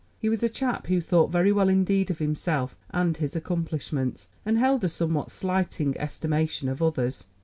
He was a chap who thought very well indeed of himself and his accomplishments, and held a somewhat slighting estimation of others.